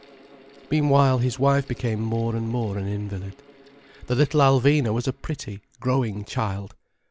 Meanwhile his wife became more and more an invalid; the little Alvina was a pretty, growing child.